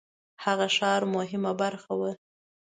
هغه ښار مهمه برخه وه.